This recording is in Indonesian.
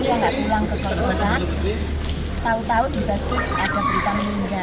tahu tahu di kosozat ada berita meninggal